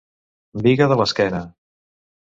Biga de l'esquena.